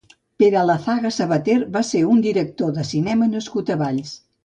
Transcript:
Pere Lazaga Sabater va ser un director de cinema nascut a Valls.